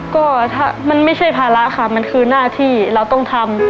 ก็ถ้ามันไม่ใช่ภาระค่ะมันคือหน้าที่เราต้องทำ